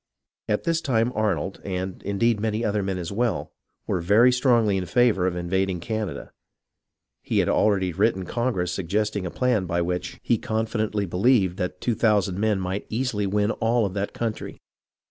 At this time Arnold, and, indeed, many other men as well, were very strongly in favour of invading Canada. He had already written Congress suggesting a plan by which he confidently believed that 2000 men might easily win all of that country.